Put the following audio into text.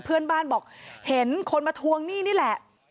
เพื่อนบ้านบอกเห็นคนมาทวงหนี้นี่แหละ